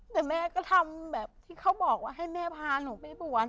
แต่แม่ก็ทำแบบที่เขาบอกว่าให้แม่พาหนูไปบวช